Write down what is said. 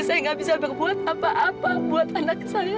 saya nggak bisa berbuat apa apa buat anak saya